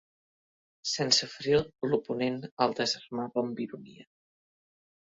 Sense ferir l’oponent, el desarmava amb ironia.